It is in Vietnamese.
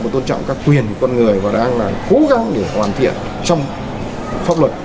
và tôn trọng các quyền của con người và đang là cố gắng để hoàn thiện trong pháp luật